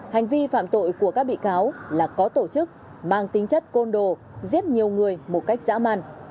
hành vi phạm tội của các bị cáo là có tổ chức mang tính chất côn đồ giết nhiều người một cách dã man